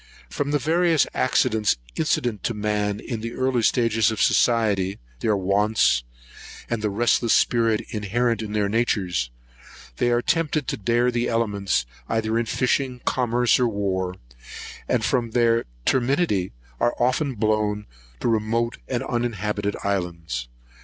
From the various accidents incident to man in the early stages of society, their wants, and the restless spirit inherent in their natures, they are tempted to dare the elements, either in fishing, commerce, or war; and from their temerity are often blown to remote and uninhabited islands.